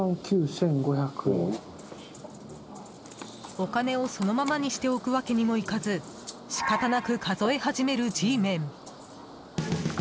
お金をそのままにしておくわけにもいかず仕方なく数え始めるＧメン。